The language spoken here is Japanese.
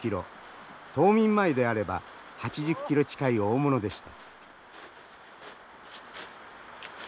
冬眠前であれば８０キロ近い大物でした。